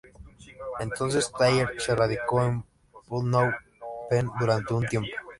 Entonces Thayer se radicó en Phnom Penh durante un tiempo.